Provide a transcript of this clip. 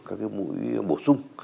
các cái mũi bổ sung